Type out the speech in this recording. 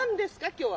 今日は。